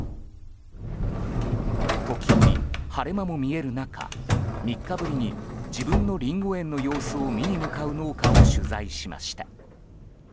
時折、晴れ間も見える中３日ぶりに自分のリンゴ園の様子を見に向かう農家を取材しました。